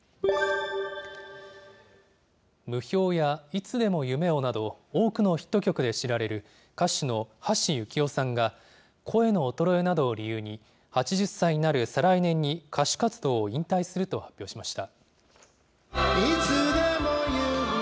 霧氷やいつでも夢をなど、多くのヒット曲で知られる歌手の橋幸夫さんが、声の衰えなどを理由に、８０歳になる再来年に歌手活動を引退すると発表しました。